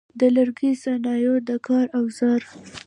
د لرګي د صنایعو د کار اوزار: